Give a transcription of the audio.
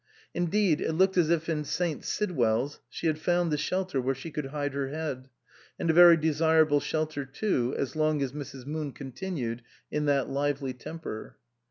Indeed it looked as if in St. Sidwell's she had found the shelter where she could hide her head ; and a very desirable shelter too, as long as Mrs. Moon continued in that lively temper.